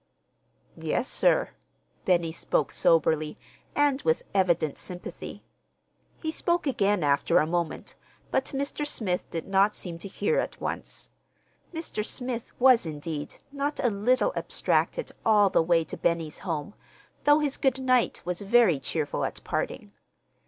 "Yes, sir." Benny spoke soberly, and with evident sympathy. He spoke again, after a moment, but Mr. Smith did not seem to hear at once. Mr. Smith was, indeed, not a little abstracted all the way to Benny's home, though his good night was very cheerful at parting.